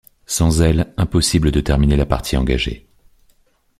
Sans elle, impossible de terminer la partie engagée.